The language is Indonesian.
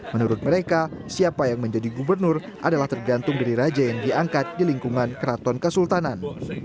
menurut mereka siapa yang menjadi gubernur adalah tergantung dari raja yang diangkat di lingkungan keraton kesultanan